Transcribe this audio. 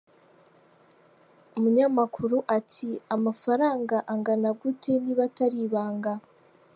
Umunyamakuru ati amafaranga angana gute niba atari ibanga?.